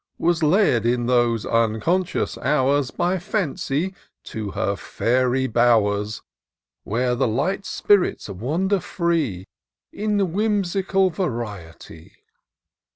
Was led, in those unconscious hours. By Fancy, to her fairy bowers, Where the light spirits wander free In whimsical variety.